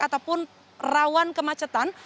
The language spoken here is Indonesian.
ataupun rawan kemacetan